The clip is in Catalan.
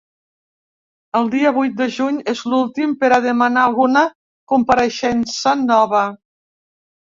El dia vuit de juny és l’últim per a demanar alguna compareixença nova.